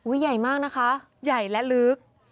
อุ๊ยใหญ่มากนะคะและลึก